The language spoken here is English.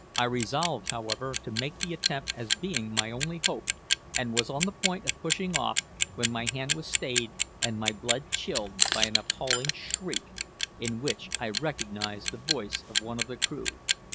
I resolved, however, to make the attempt, as being my only hope, and was on the point of pushing off, when my hand was stayed and my blood chilled by an appalling shriek, in which I recognised the voice of one of the crew.